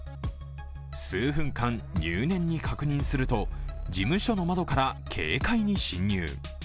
数分間、入念に確認すると事務所の窓から軽快に侵入。